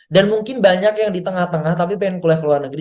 dan mungkin banyak yang di tengah tengah tapi pengen kuliah ke luar negeri